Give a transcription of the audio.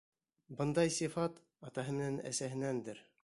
Бындай сифат — атаһы менән әсәһенәндер.